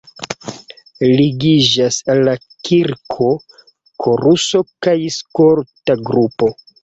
Ligiĝas al la kirko koruso kaj skolta grupo.